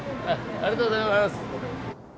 ありがとうございます！